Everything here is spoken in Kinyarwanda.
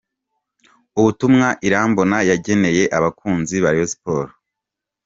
Ubutumwa Irambona yageneye abakunzi ba Rayon Sports.